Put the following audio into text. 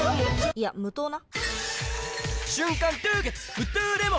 いや無糖な！